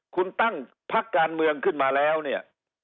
คุณตั้งพักการเมืองขึ้นมาแล้วเนี่ย